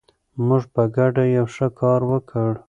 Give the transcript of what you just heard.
موږ په ګډه یو ښه کار وکړ.